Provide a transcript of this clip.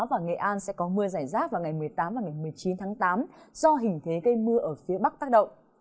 và nghệ an sẽ có mưa giải rác vào ngày một mươi tám và ngày một mươi chín tháng tám do hình thế gây mưa ở phía bắc tác động